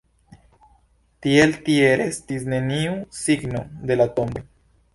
Tiel tie restis neniu signo de la tomboj.